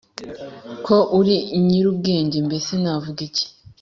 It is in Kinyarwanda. ko uri nyirubwenge mbese navuga iki?